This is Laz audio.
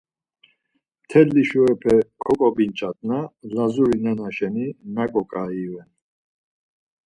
Mteli şurepe k̆ok̆obinç̆at na Lazuri nena şeni nak̆o k̆ai iven.